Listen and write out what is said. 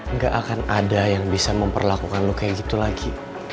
nggak akan ada yang bisa memperlakukan lu kayak gitu lagi